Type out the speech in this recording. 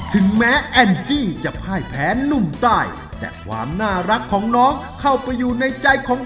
ถึงแม้แอนจี้จะพ่ายแผนหนุ่มใต้แต่ความน่ารักของน้องเข้าไปอยู่ในใจของ